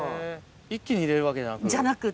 一気に入れるわけじゃなく。